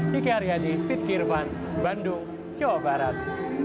diki aryadi fit kirvan bandung jawa barat